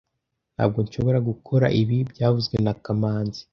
Ntabwo nshobora gukora ibi byavuzwe na kamanzi